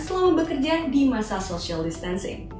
selama bekerja di masa social distancing